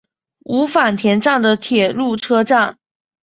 五反田站的铁路车站。